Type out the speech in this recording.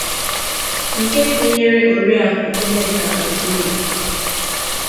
nke gụnyere Oriakụ Nneka Okoye